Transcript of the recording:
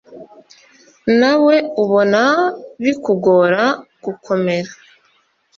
nawe ubona bikugora gukomera